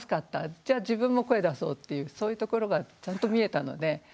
じゃあ自分も声出そうっていうそういうところがちゃんと見えたので。